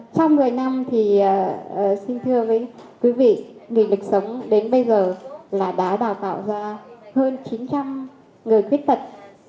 trong một mươi năm thì xin thưa quý vị nghị lực sống đến bây giờ là đã đào tạo ra hơn chín trăm linh người khuyết tật